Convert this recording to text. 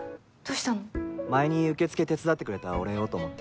前に受付手伝ってくれたお礼をと思って。